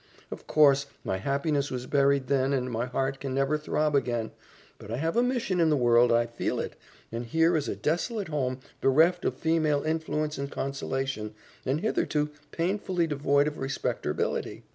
Of course, my happiness was buried then and my heart can never throb again, but I have a mission in the world I feel it and here is a desolate home bereft of female influence and consolation and hitherto painfully devoid of respecterbility.